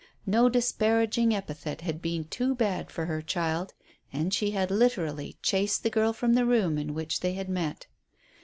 No disparaging epithet had been too bad for her child, and she had literally chased the girl from the room in which they had met.